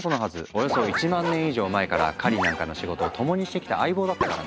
およそ１万年以上前から狩りなんかの仕事を共にしてきた相棒だったからね。